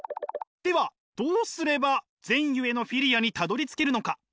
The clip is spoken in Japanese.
ではどうすれば善ゆえのフィリアにたどりつけるのか？